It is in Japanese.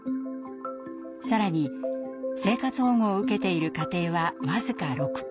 更に生活保護を受けている家庭は僅か６％。